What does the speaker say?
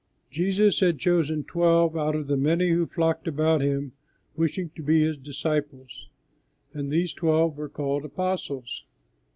Jesus had chosen twelve out of the many who flocked about Him wishing to be His disciples, and these twelve were called apostles.